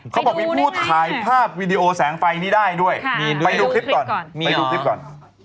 เขาบอกว่ามีผู้ถ่ายภาพวิดีโอแสงไฟนี้ได้ด้วยไปดูคลิปก่อน